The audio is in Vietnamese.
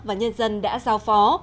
và nhân dân đã giao phó